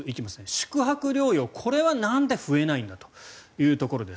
宿泊療養、これはなんで増えないんだというところです。